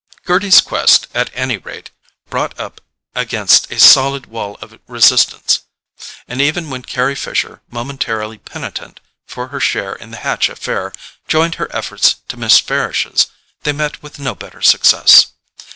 Gerty's quest, at any rate, brought up against a solid wall of resistance; and even when Carry Fisher, momentarily penitent for her share in the Hatch affair, joined her efforts to Miss Farish's, they met with no better success.